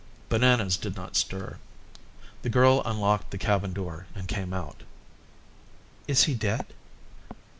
Bananas did not stir. The girl unlocked the cabin door and came out. "Is he dead?"